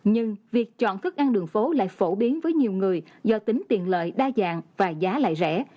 nhưng việc chọn thức ăn đường phố lại phổ biến với nhiều người do tính tiện lợi đa dạng và giá lại rẻ